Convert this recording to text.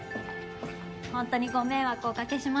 ほんとにご迷惑をおかけしました。